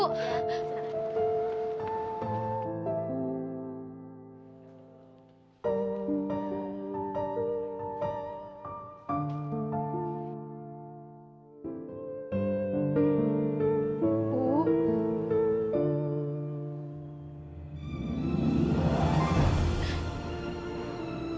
ibu yang kuat